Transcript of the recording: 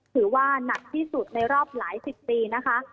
ถือว่าหนักที่สุดในรอบหลายสิบปีนะคะ